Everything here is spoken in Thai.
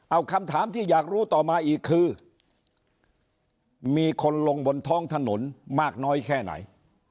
เอาคำถามที่อยากรู้ต่อมาอีกคือมีคนลงบนท้องถนนมากน้อยแค่ไหน